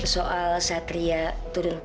soal satria turun panggung